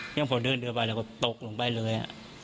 พอเดินเดินไปแล้วก็ตกลงไปเลย